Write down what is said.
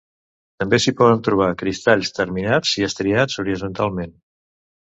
També s'hi poden trobar cristalls terminats i estriats horitzontalment.